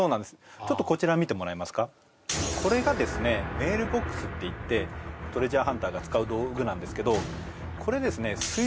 ちょっとこちら見てもらえますかこれがですねメールボックスっていってトレジャーハンターが使う道具なんですけどこれですね